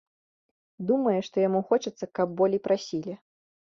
Думае, што таму хочацца, каб болей прасілі.